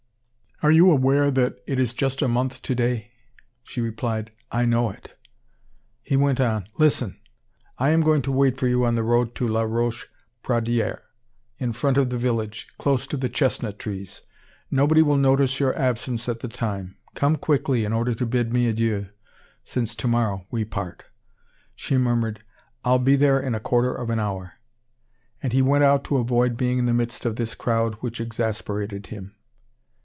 Are you aware that it is just a month to day?" She replied: "I know it." He went on: "Listen! I am going to wait for you on the road to La Roche Pradière, in front of the village, close to the chestnut trees. Nobody will notice your absence at the time. Come quickly in order to bid me adieu, since to morrow we part." She murmured: "I'll be there in a quarter of an hour." And he went out to avoid being in the midst of this crowd which exasperated him.